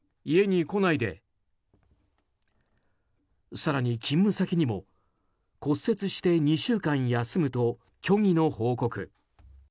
更に、勤務先にも骨折して２週間休むと虚偽の報告。